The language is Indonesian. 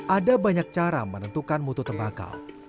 ada banyak cara menentukan mutu tembakau